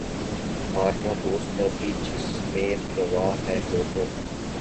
مارنا دوست کا بھی جس میں روا ہے لوگو